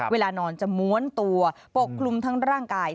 เวลานอนจะม้วนตัวปกคลุมทั้งร่างกาย